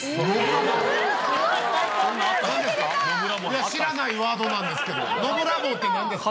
いや知らないワードなんですけどノブラボーってなんですか？